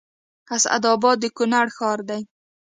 اسداباد د کونړ ښار دی